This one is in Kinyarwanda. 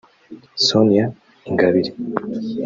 Sonia Ingabire